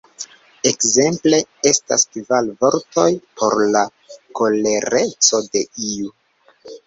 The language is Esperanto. Ekzemple, estas kvar vortoj por la kolereco de iu